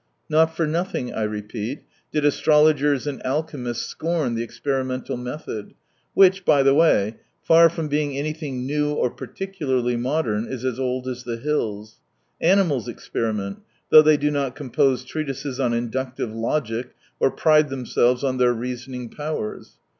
Not for nothing, I repeat, did astrologers and alchemists scorn tTie experimental method — which, by the way, far from being anything new or particularly modern, is as old as the hills. Animals experiment, though they do not compose treatises on inductive logic or pride themselves on their reasoning powers.